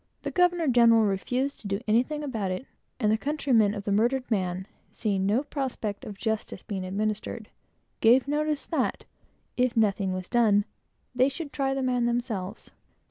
He refused to do anything about it, and the countrymen of the murdered man, seeing no prospect of justice being administered, made known that if nothing was done, they should try the man themselves.